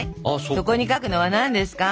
そこに書くのは何ですか？